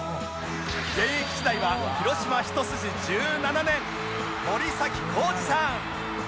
現役時代は広島ひと筋１７年森浩司さん